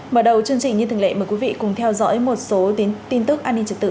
mở đầu chương trình như thường lệ mời quý vị cùng theo dõi một số tin tức an ninh trật tự